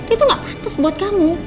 itu gak pantas buat kamu